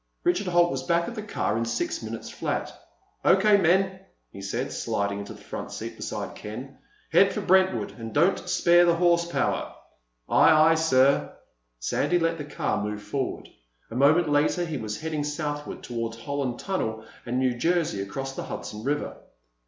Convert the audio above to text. Richard Holt was back at the car again in six minutes flat. "O.K., men," he said, sliding into the front seat beside Ken. "Head for Brentwood—and don't spare the horsepower." "Aye, aye, sir." Sandy let the car move forward. A moment later he was heading southward toward the Holland Tunnel and New Jersey across the Hudson River.